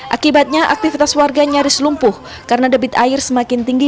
akibatnya aktivitas warga nyaris lumpuh karena debit air semakin tinggi